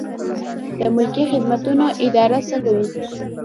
د ملکي خدمتونو اداره څه کوي؟